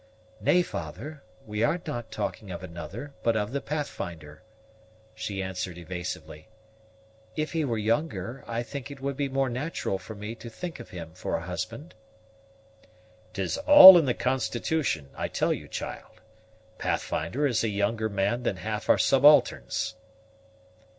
"Nay, father, we are not talking of another, but of the Pathfinder," she answered evasively. "If he were younger, I think it would be more natural for me to think of him for a husband." "'Tis all in the constitution, I tell you, child; Pathfinder is a younger man than half our subalterns."